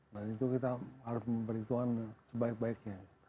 itu kita harus memperhitungkan sebaik baiknya